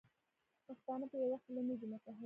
پښتانه په یوه خوله نه دي متحد.